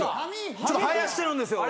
ちょっと生やしてるんですよ。